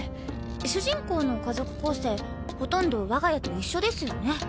主人公の家族構成ほとんど我が家と一緒ですよね。